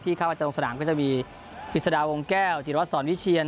ที่เข้ามาจากตรงสถานก็จะมีวิศราวงศ์แก้วจิตรวัสดิ์สอนวิเชียน